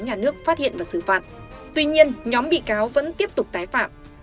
nhà nước phát hiện và xử phạt tuy nhiên nhóm bị cáo vẫn tiếp tục tái phạm